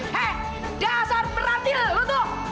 hei dasar perantil lu tuh yang racunin laki gue ha